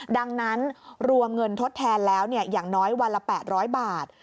ดังนั้นรวมเงินทดแทนแล้วอย่างน้อยวันละ๘๐๐บาท